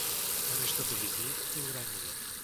Они что-то везли и уронили.